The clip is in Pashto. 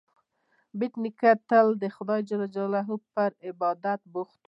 بېټ نیکه تل د خدای جل جلاله پر عبادت بوخت و.